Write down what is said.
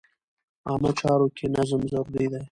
عامه چارو کې نظم ضروري دی.